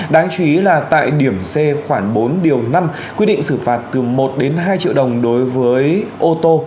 đáng chú ý là tại điểm c khoảng bốn điều năm quy định xử phạt từ một đến hai triệu đồng đối với ô tô